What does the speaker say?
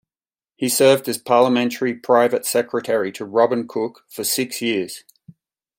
He served as Parliamentary Private Secretary to Robin Cook for six years.